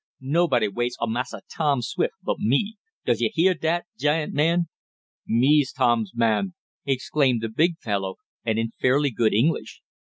Nobody waits on Massa Tom Swift but me. Does yo' heah dat, giant man?" "Me Tom's man!" exclaimed the big fellow, and in fairly good English.